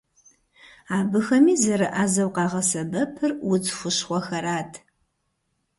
Абыхэми зэрыӏэзэу къагъэсэбэпыр удз хущхъуэхэрат.